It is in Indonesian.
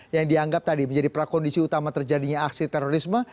yang dianggap tadi menjadi prakondisi utama terjadinya aksi terorisme